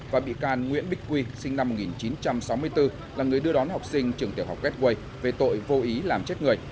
và bị can nguyễn bích quy sinh năm một nghìn chín trăm sáu mươi bốn là người đưa đón học sinh trường tiểu học gateway về tội vô ý làm chết người